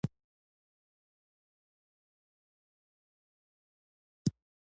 د مراجعینو رضایت د بانک تر ټولو لویه شتمني ده.